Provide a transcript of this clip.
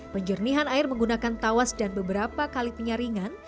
penjernihan air menggunakan tawas dan beberapa kali penyaringan